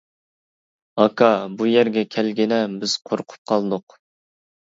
-ئاكا، بۇ يەرگە كەلگىنە، بىز قورقۇپ قالدۇق.